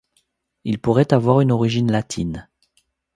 Il pourrait avoir une origine latine.